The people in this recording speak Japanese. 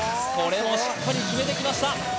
これもしっかり決めてきました